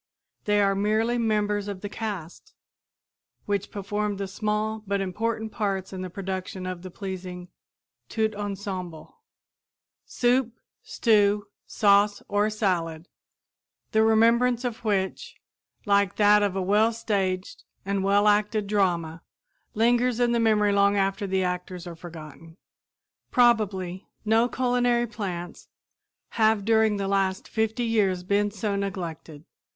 They are merely members of "the cast" which performed the small but important parts in the production of the pleasing tout ensemble soup, stew, sauce, or salad the remembrance of which, like that of a well staged and well acted drama, lingers in the memory long after the actors are forgotten. [Illustration: Barrel Culture of Herbs] Probably no culinary plants have during the last 50 years been so neglected.